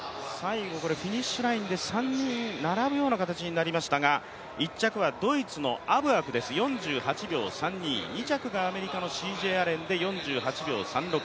フィニッシュラインで３人並ぶような形になりましたが１着はドイツのアブアク、２着がアメリカのアレンで４８秒３６。